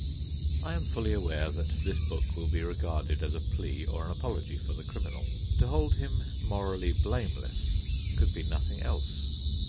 I am fully aware that this book will be regarded as a plea or an apology for the criminal. To hold him morally blameless could be nothing else.